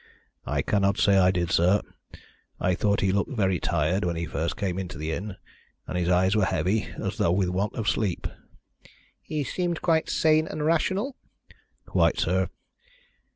"I cannot say I did, sir. I thought he looked very tired when he first came into the inn, and his eyes were heavy as though with want of sleep." "He seemed quite sane and rational?" "Quite, sir."